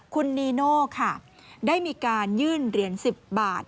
คุณนีโน่ค่ะได้มีการยื่นเหรียญ๑๐บาท